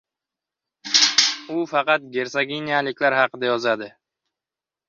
U faqat gertsoginyalar haqida yozadi.